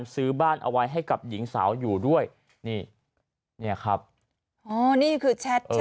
ซื้อบ้านเอาไว้ให้กับหญิงสาวอยู่ด้วยนี่เนี่ยครับอ๋อนี่คือแชท